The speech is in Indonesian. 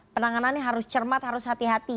penanganannya harus cermat harus hati hati